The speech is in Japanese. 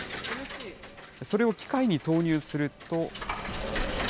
それを機械に投入すると。